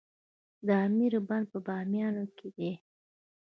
د امیر بند په بامیان کې دی